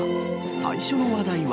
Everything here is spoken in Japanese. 最初の話題は。